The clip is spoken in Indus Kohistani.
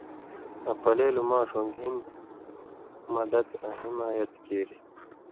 آں پلېلو ماݜؤں گِھن مدَت (حمایت) کیریۡ۔